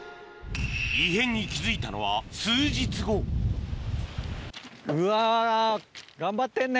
異変に気付いたのは数日後うわ頑張ってんね。